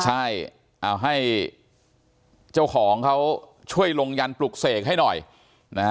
ใช่เอาให้เจ้าของเขาช่วยลงยันปลุกเสกให้หน่อยนะฮะ